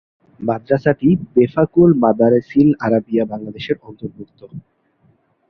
মাদ্রাসাটি বেফাকুল মাদারিসিল আরাবিয়া বাংলাদেশের অন্তর্ভুক্ত।